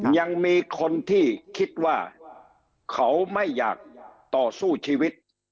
ยังมีคนที่คิดว่าเขาไม่อยากต่อสู้ชีวิต